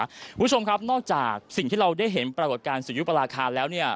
คุณผู้ชมครับนอกจากสิ่งที่เราได้เห็นปรากฏการณ์สุยุปราคาแล้วเนี่ย